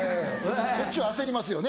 こっちは焦りますよね